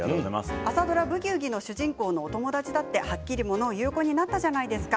朝ドラ「ブギウギ」の主人公のお友達だって、はっきりものを言う子になったじゃないですか。